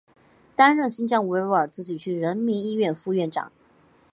担任新疆维吾尔自治区人民医院副院长。